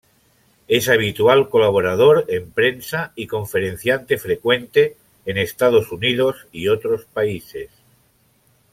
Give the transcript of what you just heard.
Es habitual colaborador en prensa y conferenciante frecuente en Estados Unidos y otros países.